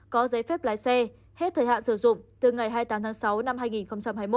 có giấy phép lái xe hết thời hạn sử dụng từ ngày hai mươi tám tháng sáu năm hai nghìn hai mươi một